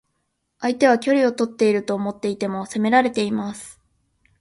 相手は距離をとっていると思っていても攻められます。